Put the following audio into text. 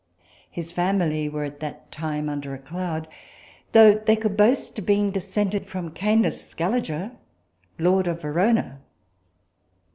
His family were at that time under a cloud, though they could boast of being descended from Canis Scaliger, lord of Verona.